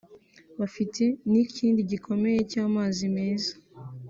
bafite n’ikindi gikomeye cy’amazi meza